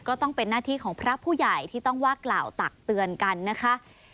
ก็ต้องเป็นหน้าที่ของพระผู้ใหญ่ที่ต้องว่ากล่าวตักเตือนกันนะคะ